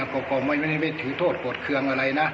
กรกองไม่ได้ไปถือโทษกดเครื่องอะไร